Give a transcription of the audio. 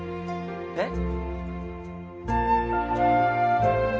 えっ？